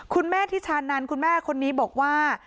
คุณแม่ที่ชานานคุณแม่คนนี้บอกว่า